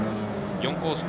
４コース